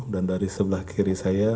dan dari sebelah kiri saya